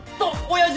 親父！